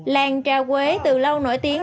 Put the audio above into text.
làng trà quế từ lâu nổi tiếng